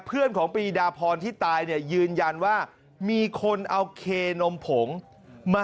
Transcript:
เพื่อนของปีดาพรที่ตายเนี่ยยืนยันว่ามีคนเอาเคนมผงมา